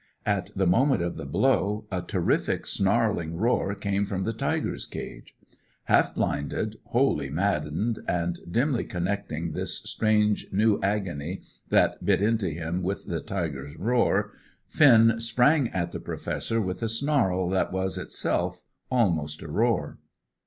At the moment of the blow, a terrific snarling roar came from the tiger's cage. Half blinded, wholly maddened, dimly connecting this strange new agony that bit into him with the tiger's roar, Finn sprang at the Professor with a snarl that was itself almost a roar.